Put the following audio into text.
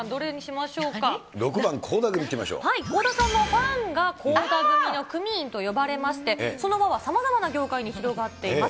６番、はい、倖田さんのファンが倖田組の組員と呼ばれまして、その輪はさまざまな業界に広がっています。